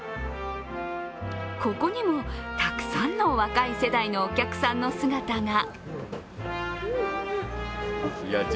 ここにもたくさんの若い世代のお客さんの姿が。